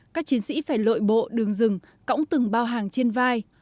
các chiến sĩ phải lội bộ đường rừng cõng từng bao hàng trên vai